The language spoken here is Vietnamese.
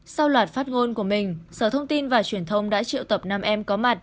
sau loạt phát ngôn của mình sở thông tin và truyền thông đã triệu tập năm em có mặt